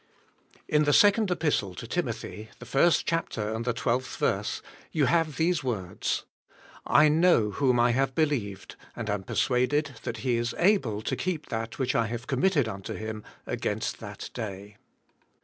In the second Epistle to Timothy, the first chap ter and the twelfth verse, you have these words: "I know whom I have believed and am persuaded that He is able to keep that which I have committed unto Him against that day."